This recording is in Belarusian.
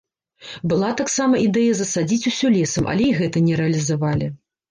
Была таксама ідэя засадзіць усё лесам, але і гэта не рэалізавалі.